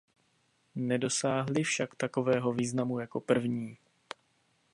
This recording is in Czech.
Nedosáhly však takového významu jako první.